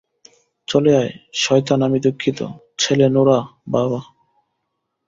চলে আয়, শয়তান আমি দুঃখিত, ছেলে - নোরাহ - বাবা!